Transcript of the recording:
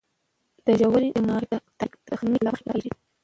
د ژور دماغي تحريک تخنیک لا دمخه کارېږي.